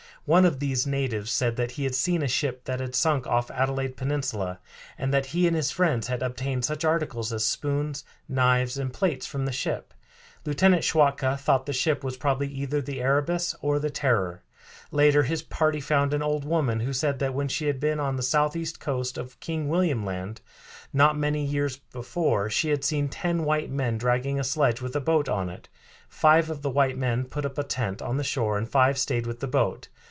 One of these natives said that he had seen a ship that had sunk off Adelaide Peninsula, and that he and his friends had obtained such articles as spoons, knives, and plates from the ship. Lieutenant Schwatka thought the ship was probably either the Erebus or the Terror. Later his party found an old woman who said that when she had been on the southeast coast of King William Land not many years before she had seen ten white men dragging a sledge with a boat on it. Five of the white men put up a tent on the shore and five stayed with the boat.